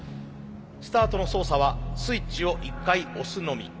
スタートの操作はスイッチを１回押すのみ。